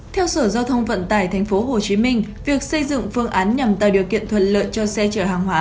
theo sở giao thông vận tải tp hcm việc xây dựng phương án nhằm tạo điều kiện thuận lợi cho xe chở hàng hóa